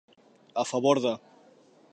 A favor de.